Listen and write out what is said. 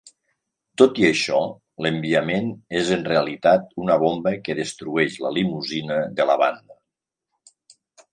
Tot i això, l'enviament és en realitat una bomba que destrueix la limusina de la banda.